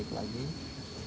ini kita balik lagi